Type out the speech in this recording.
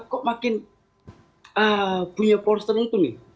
kok makin punya polos terlentu nih